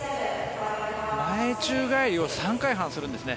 前宙返りを３回半するんですね。